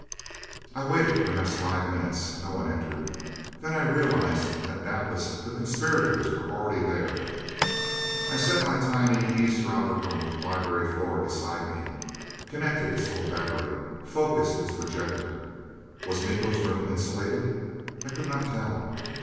I waited perhaps five minutes. No one entered. Then I realized that doubtless the conspirators were already there. I set my tiny eavesdropper on the library floor beside me; connected its little battery; focused its projector. Was Miko's room insulated? I could not tell.